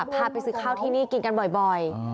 พาไปซื้อข้าวที่นี่กินกันบ่อย